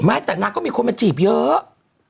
ไม่แต่นักก็มีคนมาจีบเยอะ